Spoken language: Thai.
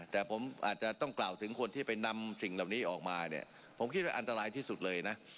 แต่ผมอาจจะต้องกล่าวถึงคนที่ไปนำสิ่งเหล่านี้ออกมาเนี่ยผมคิดว่าอันตรายที่สุดเลยนะ